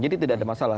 jadi tidak ada masalah